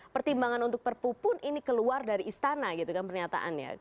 pertimbangan untuk perpu pun ini keluar dari istana gitu kan pernyataannya